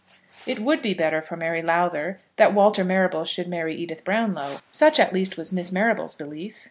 It would be better for Mary Lowther that Walter Marrable should marry Edith Brownlow. Such, at least, was Miss Marrable's belief.